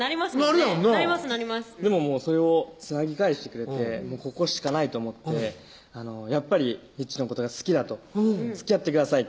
なるやんなそれを繋ぎ返してくれてここしかないと思って「やっぱりひっちのことが好きだ」と「つきあってください」